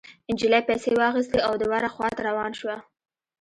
نجلۍ پيسې واخيستې او د وره خوا ته روانه شوه.